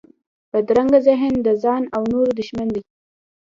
بدرنګه ذهن د ځان او نورو دښمن دی